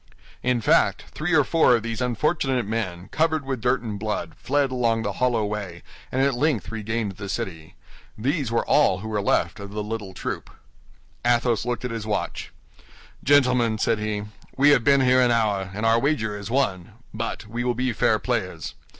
In fact, three or four of these unfortunate men, covered with dirt and blood, fled along the hollow way, and at length regained the city. These were all who were left of the little troop. Athos looked at his watch. "Gentlemen," said he, "we have been here an hour, and our wager is won; but we will be fair players.